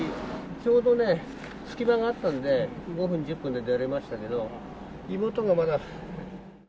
ちょうどね、隙間があったんで、５分、１０分で出れましたけど、妹がまだ。